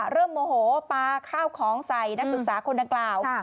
โมโหปลาข้าวของใส่นักศึกษาคนดังกล่าว